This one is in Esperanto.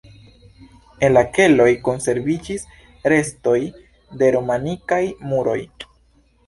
En la keloj konserviĝis restoj de romanikaj muroj.